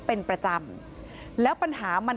เป็นประจำแล้วปัญหามัน